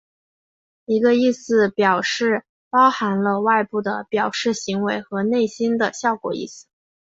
一个意思表示包含了外部的表示行为和内心的效果意思。